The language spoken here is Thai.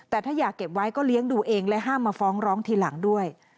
แต่ถ้าอยากเก็บไว้ก็เลี้ยงดูเองและห้ามมาฟ้องร้องทีหลังด้วย